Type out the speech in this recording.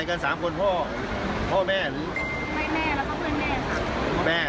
อันนี้คือไม่เชื่อกันแต่แรกเนี่ยก็ต้องตามแม่มัน